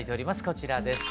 こちらです。